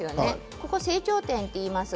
ここは成長点といいます。